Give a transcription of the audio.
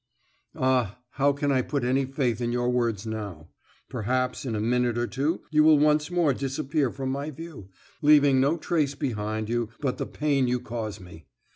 "Ah, how can I put any faith in your words now? Perhaps, in a minute or two, you will once more disappear from my view, leaving no trace behind you but the pain you cause me.